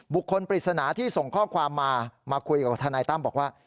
ปริศนาที่ส่งข้อความมามาคุยกับทนายตั้มบอกว่า